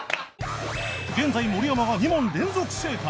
現在盛山が２問連続正解